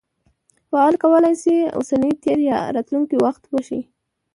فعل کولای سي اوسنی، تېر یا راتلونکى وخت وښيي.